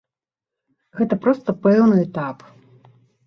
Гэта проста пэўны этап.